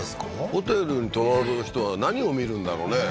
ホテルに泊まる人は何を見るんだろうね？